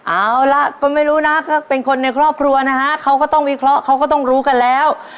เอาล่ะก็ไม่รู้นะก็เป็นคนในครอบครัวนะฮะเขาก็ต้องวิเคราะห์เขาก็ต้องรู้กันแล้ว